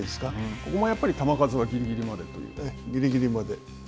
ここもやっぱり球数はぎりぎりまでという。